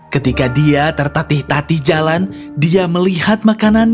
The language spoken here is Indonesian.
ketika dia tertatih tati jalan dia melihat memasukkan gaun